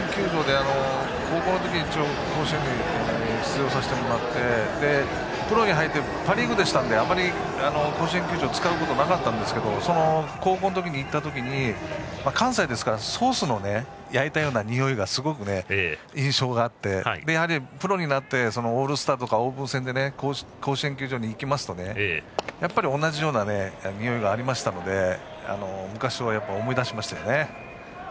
高校のときに、一応甲子園に出場させてもらってプロに入ってパ・リーグでしたので甲子園球場を使うことはあまりなかったんですけど高校のときに行ったときに関西ですからソースの焼いたようなにおいがすごく印象にあってやはりプロになってオールスターやオープン戦で甲子園球場に行きますとやっぱり同じようなにおいがありましたので昔を思い出しましたね。